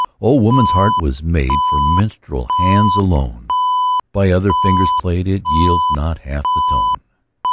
Oh! woman's heart was made For minstrel hands alone; By other fingers played, It yields not half the tone.